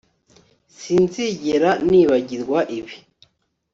Sinzigera nibagirwa ibi